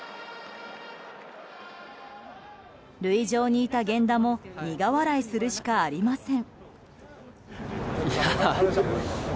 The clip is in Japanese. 塁上にいた源田も苦笑いするしかありません。